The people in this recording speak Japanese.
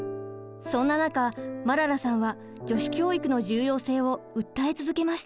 そんな中マララさんは女子教育の重要性を訴え続けました。